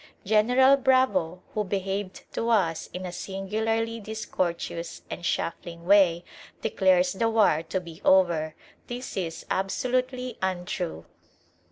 General Bravo, who behaved to us in a singularly discourteous and shuffling way, declares the war to be over. This is absolutely untrue.